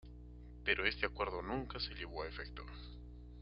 Pero este acuerdo nunca se llevó a efecto.